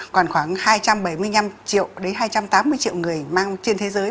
còn khoảng hai trăm bảy mươi năm triệu đến hai trăm tám mươi triệu người mang trên thế giới